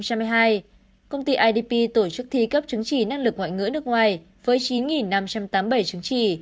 công ty idp tổ chức thi cấp chứng chỉ năng lực ngoại ngữ nước ngoài với chín năm trăm tám mươi bảy chứng chỉ